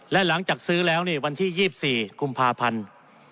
และหลังจากซื้อแล้ววันที่๒๔กุมภาพันธ์